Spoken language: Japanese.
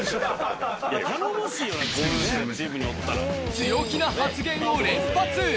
強気の発言を連発。